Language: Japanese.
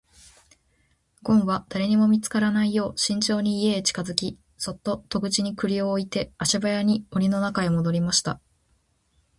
ごんは誰にも見つからないよう慎重に家へ近づき、そっと戸口に栗を置いて足早に森の中へ戻りました。